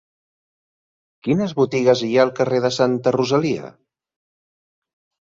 Quines botigues hi ha al carrer de Santa Rosalia?